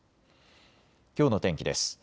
きょうの天気です。